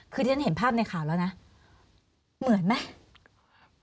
คือที่ฉันเห็นภาพในข่าวแล้วนะเหมือนไหม